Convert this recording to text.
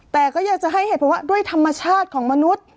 แต่ก็อยากจะให้เหตุผลว่าด้วยธรรมชาติของมนุษย์